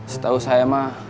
setau saya mah